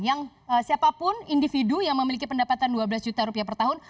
yang siapapun individu yang memiliki pendapatan dua belas juta rupiah per tahun